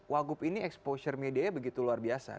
wagub ini exposure media nya begitu luar biasa